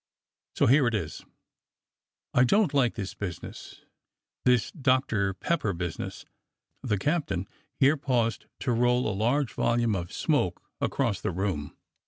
So here it is: I don't like this business — this Doctor Pepper business " The captain here paused to roll a large volume of smoke across the room.